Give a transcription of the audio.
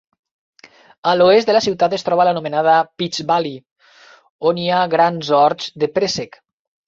A l'oest de la ciutat es troba l'anomenada Peach Valley on hi ha grans horts de préssec.